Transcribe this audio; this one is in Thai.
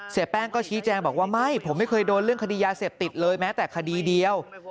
แป้งก็ชี้แจงบอกว่าไม่ผมไม่เคยโดนเรื่องคดียาเสพติดเลยแม้แต่คดีเดียว